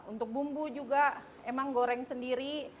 untuk bumbu juga emang goreng sendiri